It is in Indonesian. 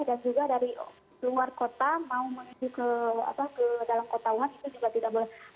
dan juga dari luar kota mau menuju ke dalam kota wuhan itu juga tidak boleh